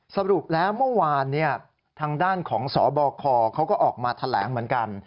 สรุปแล้วเมื่อวานทางด้านของสบคเขาก็ออกมาแถลงเหมือนกัน